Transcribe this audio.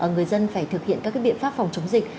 người dân phải thực hiện các biện pháp phòng chống dịch